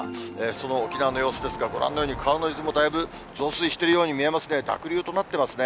その沖縄の様子ですが、ご覧のように川の水もだいぶ増水しているように見えますね。